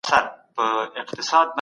مثبت فکر ذهني فشار کموي.